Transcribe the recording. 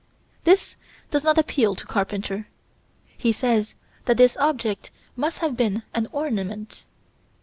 This does not appeal to Carpenter: he says that this object must have been an ornament.